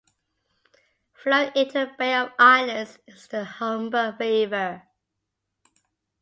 Flowing into the Bay of Islands is the Humber River.